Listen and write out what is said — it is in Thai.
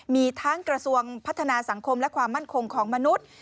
มีทั้งกระทรวงพัฒนาสังคมและความมั่นคงของมนุษย์